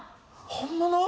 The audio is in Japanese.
本物？